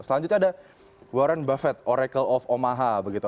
selanjutnya ada warren buffet oracle of omaha begitu